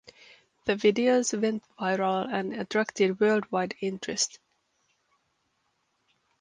The videos went viral and attracted worldwide interest.